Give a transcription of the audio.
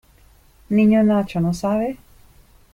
niño Nacho, no sabe?